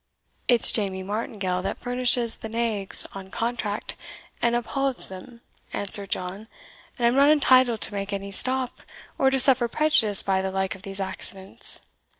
"It's Jamie Martingale that furnishes the naigs on contract, and uphauds them," answered John, "and I am not entitled to make any stop, or to suffer prejudice by the like of these accidents."